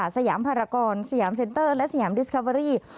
สยามภารกรสยามเซ็นเตอร์และสยามดิสคาเบอรี่